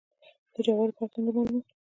د جوارو په هکله نور معلومات.